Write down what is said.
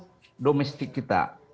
dan juga dari pemilu domestik kita